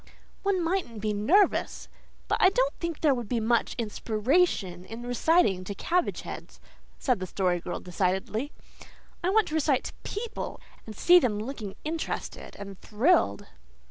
"One mightn't be nervous, but I don't think there would be much inspiration in reciting to cabbage heads," said the Story Girl decidedly. "I want to recite to PEOPLE, and see them looking interested and thrilled."